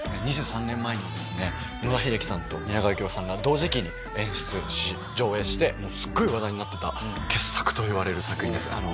２３年前にですね野田秀樹さんと蜷川幸雄さんが同時期に演出し上演してすっごい話題になってた傑作といわれる作品です。